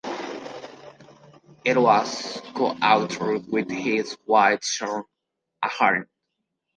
It was co-authored with his wife, Sharon Ahern.